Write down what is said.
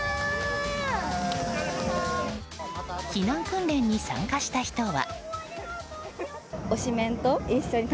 避難訓練に参加した人は。